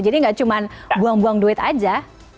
jadi tidak cuma buang buang duit saja